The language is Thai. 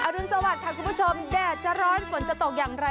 รุนสวัสดิ์ค่ะคุณผู้ชมแดดจะร้อนฝนจะตกอย่างไร